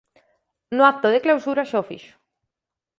No acto de clausura xa o fixo.